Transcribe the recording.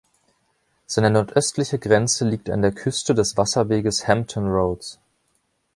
Seine nordöstliche Grenze liegt an der Küste des Wasserweges Hampton Roads.